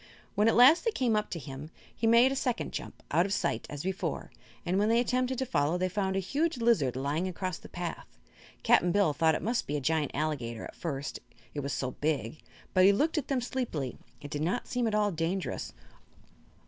When at last they came up to him he made a second jump out of sight, as before and when they attempted to follow they found a huge lizard lying across the path. Cap'n Bill thought it must be a giant alligator, at first, it was so big; but he looked at them sleepily and did not seem at all dangerous.